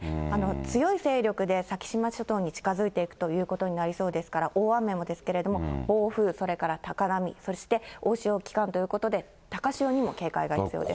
強い勢力で先島諸島に近づいていくということになりそうですから、大雨もですけれども、暴風それから高波、そして大潮期間ということで、高潮にも警戒が必要です。